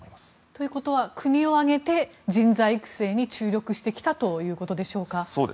ということは国を挙げて人材育成に注力してきたということでしょうか。